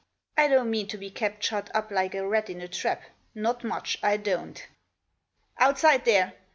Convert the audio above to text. I don't mean to be kept shut up like a rat in a trap, not much, I don't. Outside there